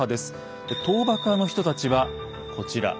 倒幕派の人たちはこちら。